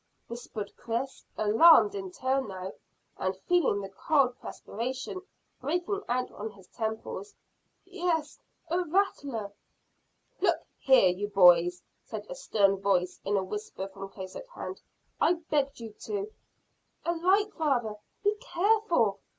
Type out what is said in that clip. whispered Chris, alarmed in turn now, and feeling the cold perspiration breaking out on his temples. "Yes a rattler." "Look here, you boys," said a stern voice, in a whisper from close at hand, "I begged you to " "A light, father! Be careful!"